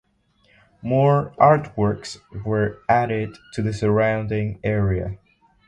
More artworks were added to the surrounding area.